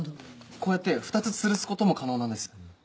こうやって２つつるす事も可能なんです。